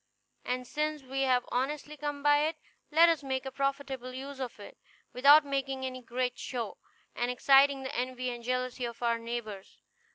And since we have honestly come by it, let us make a profitable use of it, without making any great show, and exciting the envy and jealousy of our neighbors.